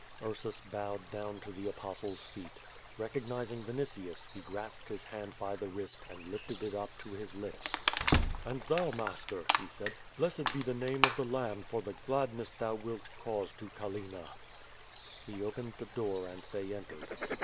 Ursus bowed down to the Ai>ostle's feet. Recognizing Vinitius, he grasped his hand by the wrist, and lifted it up to his lips. "And thou, master," he said. "Blessed be the name of the Lamb for the gladness thou wilt cause to Callina." QUO VADI8. 349 He opened the door and they entered.